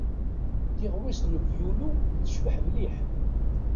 Tiɣwist n wevyulu tecbeḥ mliḥ.